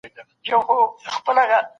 تاسي باید خپلي نوي پګړۍ په پوره سلیقې وتړئ.